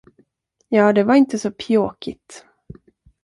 Ja, det var inte så pjåkigt.